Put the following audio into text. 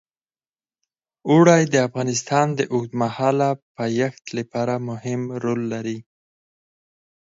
اوړي د افغانستان د اوږدمهاله پایښت لپاره مهم رول لري.